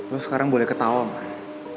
lo sekarang boleh ketawa malah